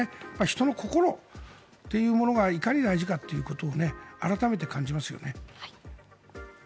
人の心というものがいかに大事かということを改めて感じますよね。